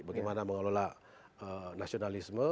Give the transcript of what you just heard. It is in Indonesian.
bagaimana mengelola nasionalisme